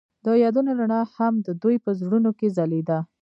د یادونه رڼا هم د دوی په زړونو کې ځلېده.